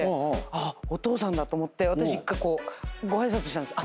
あお父さんだと思って私１回ご挨拶したんです。